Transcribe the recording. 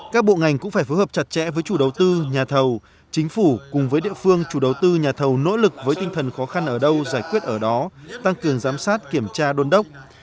các bộ ngành cũng phải phối hợp chặt chẽ với chủ đầu tư nhà thầu chính phủ cùng với địa phương chủ đầu tư nhà thầu nỗ lực với tinh thần khó khăn ở đâu giải quyết ở đó tăng cường giám sát kiểm tra đôn đốc